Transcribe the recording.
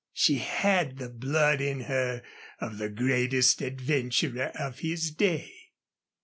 She had the blood in her of the greatest adventurer of his day.